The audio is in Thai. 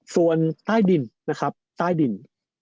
ส่วนใต้ดินนะครับใต้ดิน